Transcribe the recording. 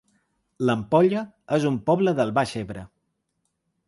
L'Ampolla es un poble del Baix Ebre